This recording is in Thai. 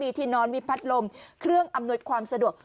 ที่นอนวิพัดลมเครื่องอำนวยความสะดวก